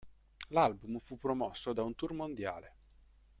L'album fu promosso da un tour mondiale.